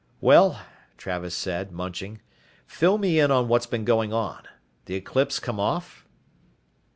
"Well," Travis said, munching, "fill me in on what's been going on. The eclipse come off?"